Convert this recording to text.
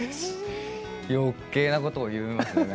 よけいなことを言うんですね。